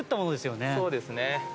そうですね。